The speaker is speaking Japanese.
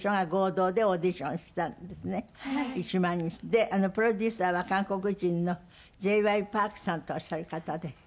でプロデューサーは韓国人のＪ．Ｙ．Ｐａｒｋさんとおっしゃる方で。